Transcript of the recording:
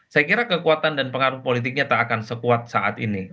saya kira kekuatan dan pengaruh politiknya tak akan sekuat saat ini